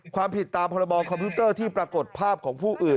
ความผิดตามพรบคอมพิวเตอร์ที่ปรากฏภาพของผู้อื่น